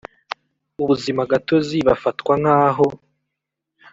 ubuzimagatozi bafatwa nk aho